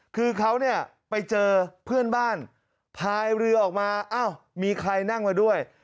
คือเขาเนี่ยไปเจอเพื่อนบ้านพายเรือออกมาอ้าวมีใครนั่งมาด้วย